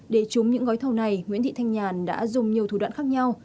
để trúng những gói thầu này nguyễn thị thanh nhàn đã dùng nhiều thủ đoạn khác nhau